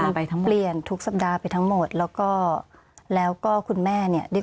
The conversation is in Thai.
มันไปทั้งหมดเปลี่ยนทุกสัปดาห์ไปทั้งหมดแล้วก็แล้วก็คุณแม่เนี่ยด้วย